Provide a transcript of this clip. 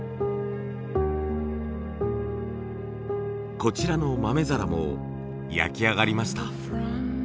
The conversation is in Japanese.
こちらの豆皿も焼き上がりました。